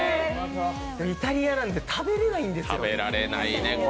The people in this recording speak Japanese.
イタリアなんで食べられないんですよ。